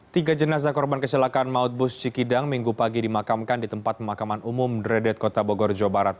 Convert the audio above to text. tiga jenazah korban kecelakaan maut bus cikidang minggu pagi dimakamkan di tempat pemakaman umum dredet kota bogor jawa barat